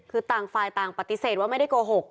คือต่างฝ่ายต่างปฏิเสธว่าไม่ได้โกหก